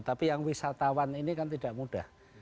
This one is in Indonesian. tapi yang wisatawan ini kan tidak mudah